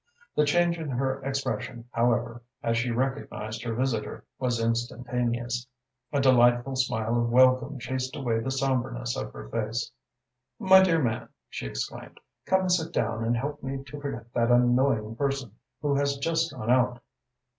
The change in her expression, however, as she recognised her visitor, was instantaneous. A delightful smile of welcome chased away the sombreness of her face. "My dear man," she exclaimed, "come and sit down and help me to forget that annoying person who has just gone out!"